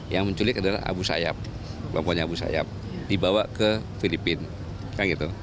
yang menculik adalah abu sayyaf kelompoknya abu sayyaf dibawa ke filipina kan gitu